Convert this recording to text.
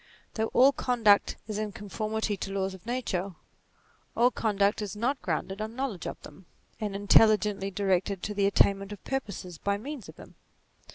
Though all conduct is in conformity to laws of nature, all con duct is not grounded on knowledge of them, and intelligently directed to the attainment of purposes by means of them.